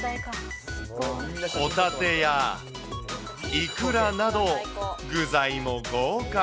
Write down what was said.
ホタテやイクラなど、具材も豪華。